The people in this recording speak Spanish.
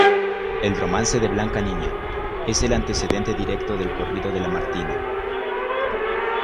El romance de blanca niña, es el antecedente directo del corrido de la Martina.